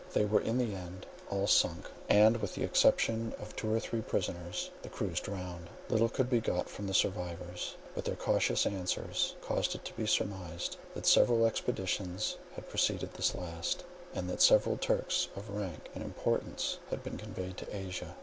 They were in the end all sunk, and, with the exception of two or three prisoners, the crews drowned. Little could be got from the survivors; but their cautious answers caused it to be surmised that several expeditions had preceded this last, and that several Turks of rank and importance had been conveyed to Asia.